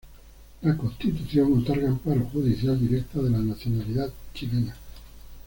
La Constitución otorga amparo judicial directo de la nacionalidad chilena.